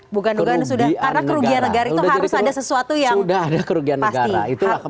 bukan dugaan sudah karena kerugian negara itu harus ada sesuatu yang pasti